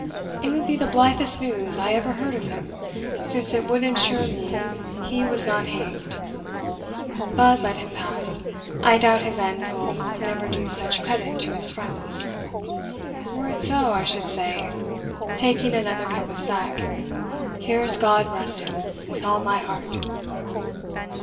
it would be the blithest news I ever heard of him, since it would ensure me he was not hanged. But let him pass I doubt his end will never do such credit to his friends. Were it so, I should say" (taking another cup of sack) "Here's God rest him, with all my heart."